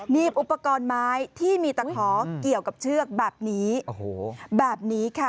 มีอุปกรณ์ไม้ที่มีตะขอเกี่ยวกับเชือกแบบนี้แบบนี้ค่ะ